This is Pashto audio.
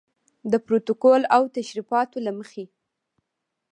د پروتوکول او تشریفاتو له مخې.